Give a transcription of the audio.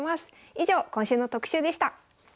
以上今週の特集でした。